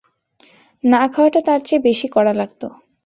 না খাওয়াটা তার চেয়ে বেশি কড়া লাগত।